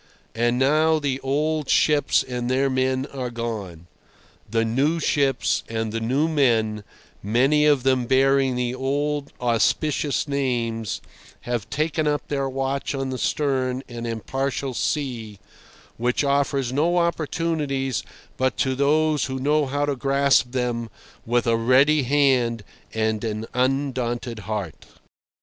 And now the old ships and their men are gone; the new ships and the new men, many of them bearing the old, auspicious names, have taken up their watch on the stern and impartial sea, which offers no opportunities but to those who know how to grasp them with a ready hand and an undaunted heart.